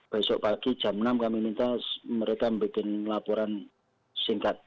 besok pagi jam enam kami minta mereka membuat laporan singkat